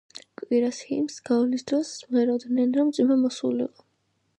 კვირიას ჰიმნს გვალვის დროს მღეროდნენ, რომ წვიმა მოსულიყო.